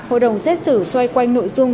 hội đồng xét xử xoay quanh nội dung